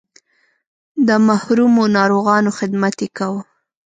د محرومو ناروغانو خدمت یې کاوه.